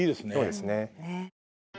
そうですね。